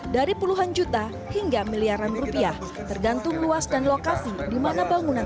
dari puluhan juta hingga miliaran rupiah tergantung luas dan lokasi dimana bangunan